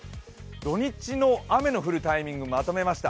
土日の雨の降るタイミング、まとめました。